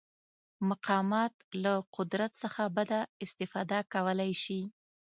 مقامات له قدرت څخه بده استفاده کولی شي.